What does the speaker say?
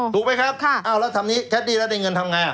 ถูกไหมครับอ้าวแล้วทำนี้แคดดี้แล้วได้เงินทำไง